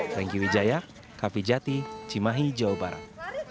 franky wijaya kavijati cimahi jawa barat